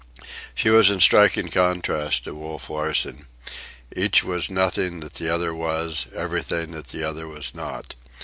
She was in striking contrast to Wolf Larsen. Each was nothing that the other was, everything that the other was not.